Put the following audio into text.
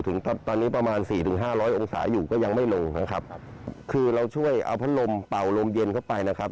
ถึงตอนนี้ประมาณ๔๕๐๐องศาอยู่ก็ยังไม่ลงนะครับคือเราช่วยเอาพันธุ์ลมเป่าลมเย็นเข้าไปนะครับ